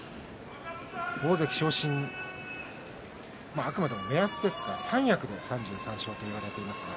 大関昇進、あくまでも目安ですが三役で３３勝といわれています。